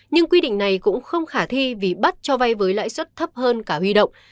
nhưng quy định này cũng không khả thi vì bắt cho vay với lãi suất thấp hơn cả huy động